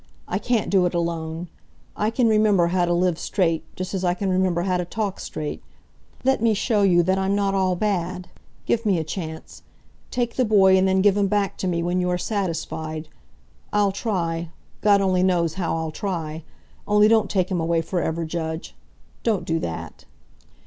I can't do it alone. I can remember how to live straight, just as I can remember how to talk straight. Let me show you that I'm not all bad. Give me a chance. Take the boy and then give him back to me when you are satisfied. I'll try God only knows how I'll try. Only don't take him away forever, Judge! Don't do that!"